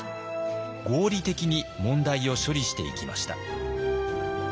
合理的に問題を処理していきました。